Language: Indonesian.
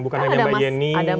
bukan hanya mbak yeni